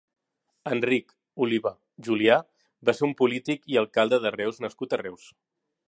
Enric Oliva Julià va ser un polític i alcalde de Reus nascut a Reus.